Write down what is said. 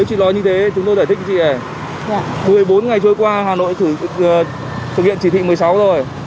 nếu chị nói như thế chúng tôi giải thích cho chị này một mươi bốn ngày trôi qua hà nội thực hiện chỉ thị một mươi sáu rồi